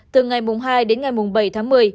từ ngày hai đến ngày bảy tháng một mươi